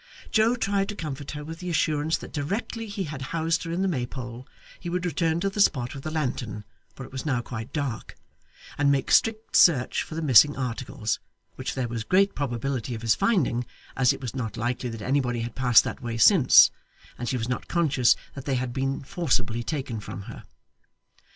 Joe tried to comfort her with the assurance that directly he had housed her in the Maypole, he would return to the spot with a lantern (for it was now quite dark) and make strict search for the missing articles, which there was great probability of his finding, as it was not likely that anybody had passed that way since, and she was not conscious that they had been forcibly taken from her.